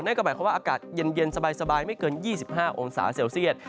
นั่นก็หมายความว่าอากาศเย็นสบายไม่เกิน๒๕องศาเซลเซียต